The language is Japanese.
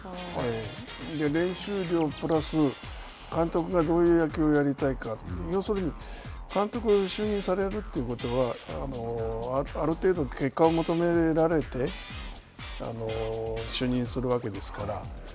練習量プラス、監督がどういう野球をやりたいか、要するに監督就任されるということはある程度、結果を求められて就任するわけですから。